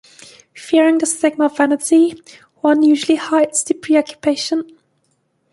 Fearing the stigma of vanity, one usually hides the preoccupation.